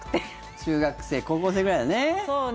中学生高校生ぐらいだね。